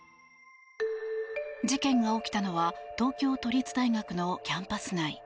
事件が起きたのは東京都立大学のキャンパス内。